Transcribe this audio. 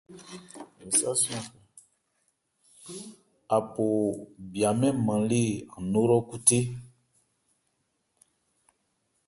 Apo bya mɛ́n nman an nó hrɔ́khúthé.